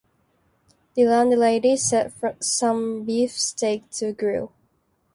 The landlady set some beef-steak to grill.